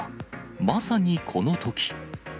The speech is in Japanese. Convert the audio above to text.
まさにこのとき。